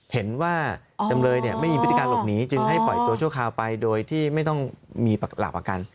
เห็นว่าจำเลยไม่มีพฤติการหลบหนีจึงให้ปล่อยตัวชั่วคราวไปโดยที่ไม่ต้องมีหลักประกัน